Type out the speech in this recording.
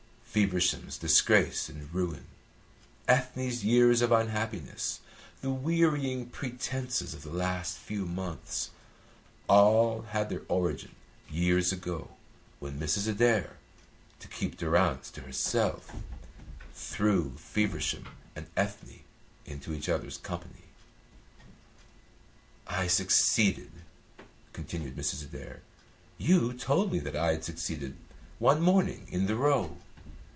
Feversham's disgrace and ruin, Ethne's years of unhappiness, the wearying pretences of the last few months, all had their origin years ago when Mrs. Adair, to keep Durrance to herself, threw Feversham and Ethne into each other's company. "I succeeded," continued Mrs. Adair. "You told me that I had succeeded one morning in the Row.